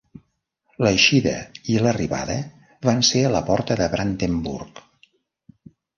L'eixida i l'arribada van ser a la Porta de Brandenburg.